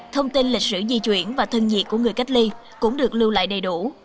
thông tin lịch sử di chuyển và thân nhiệt của người cách ly cũng được lưu lại đầy đủ